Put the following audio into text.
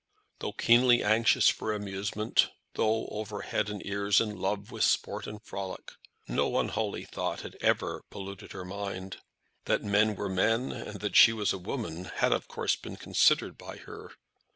Though keenly anxious for amusement, though over head and ears in love with sport and frolic, no unholy thought had ever polluted her mind. That men were men, and that she was a woman, had of course been considered by her.